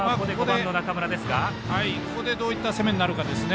ここでどういった攻めになるかですね。